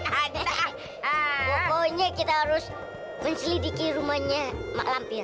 pokoknya kita harus menceli di ki rumahnya mak lampir